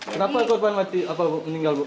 kenapa korban mz meninggal bu